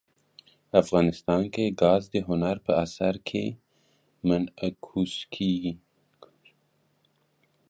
افغانستان کې ګاز د هنر په اثار کې منعکس کېږي.